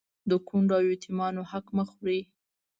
د کونډو او يتيمانو حق مه خورئ